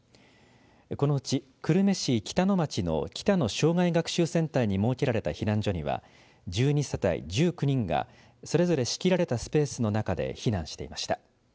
このうち久留米市北野町の北野生涯学習センターに設けられた避難所には１２世帯１９人がそれぞれ仕切られたスペースの中で避難していました。